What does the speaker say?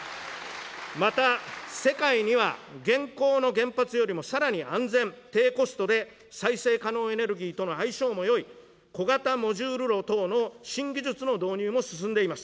また、世界には現行の原発よりもさらに安全、低コストで再生可能エネルギーとの相性もよい、小型モジュール炉等の新技術の導入も進んでいます。